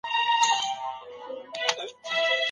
د یو مهربان لارښود په څېر.